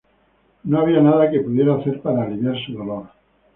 No había nada que pudiera hacer para aliviar su dolor.